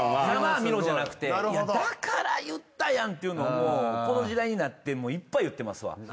「ざまあみろ」じゃなくて「だから言ったやん」っていうのこの時代になっていっぱい言ってますわ。